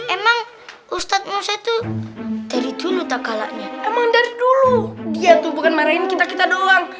emang ustadz musa itu dari dulu tak kalahnya emang dari dulu dia tuh bukan marahin kita kita doang